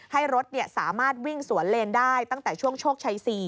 ให้รถสามารถวิ่งสวนเลนได้ตั้งแต่ช่วงโชคชัย๔